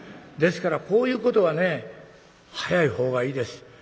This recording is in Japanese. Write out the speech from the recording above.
ですからこういうことはね早い方がいいです。